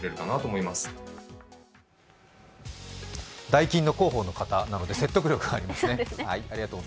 ダイキンの広報の方なので説得力がありますね。